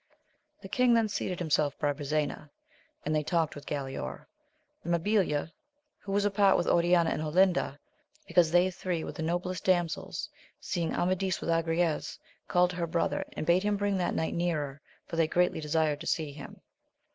The king then seated himself by Brisena, and they talked with Galaor. Mabilia, who was apart with Oriana and Olinda, because they three were the noblest damsels, seeing Amadis with Agrayes, called to her brother, and bade him bring that knight nearer, for they greatly desired to see him.